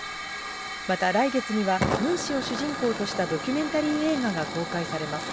また来月には、ムン氏を主人公としたドキュメンタリー映画が公開されます。